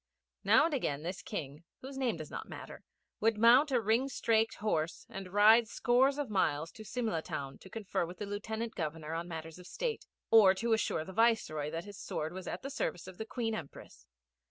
Now and again this King, whose name does not matter, would mount a ringstraked horse and ride scores of miles to Simla town to confer with the Lieutenant Governor on matters of state, or to assure the Viceroy that his sword was at the service of the Queen Empress.